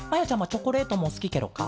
チョコレートもすきケロか？